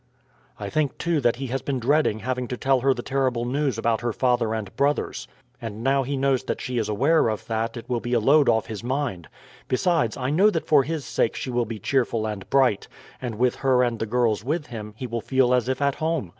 "I think, too, that he has been dreading having to tell her the terrible news about her father and brothers; and now he knows that she is aware of that it will be a load off his mind. Besides, I know that for his sake she will be cheerful and bright, and with her and the girls with him, he will feel as if at home.